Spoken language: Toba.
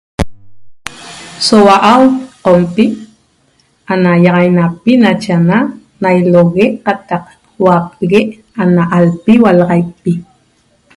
so huau qompi ana yaxainaapi nache ana nailooguee qatac huapeguee ana alpi hualaxaipi.